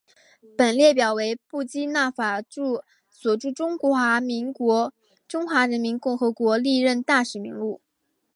本列表为布基纳法索驻中华民国和中华人民共和国历任大使名录。